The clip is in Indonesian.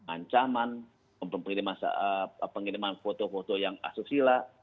ancaman pengiriman foto foto yang asusila